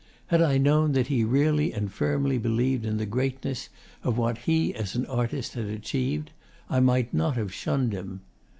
Had I known that he really and firmly believed in the greatness of what he as an artist had achieved, I might not have shunned him.